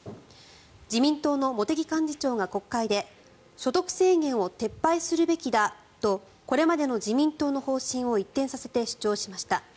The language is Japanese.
自民党の茂木幹事長が国会で所得制限を撤廃するべきだとこれまでの自民党の方針を一転させて主張しました。